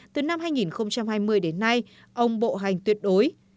từ năm hai nghìn hai mươi đến nay ông bộ hành tuyệt đối